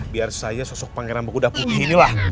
biar saya sosok pangeran buku buku ini lah